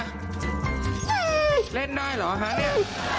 นี่เล่นได้หรอค่ะนี่